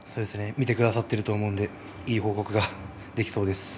見てくださっていると思いますのでいい報告ができそうです。